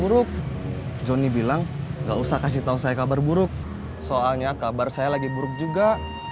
buruk johnny bilang nggak usah kasih tahu saya kabar buruk soalnya kabar saya lagi buruk juga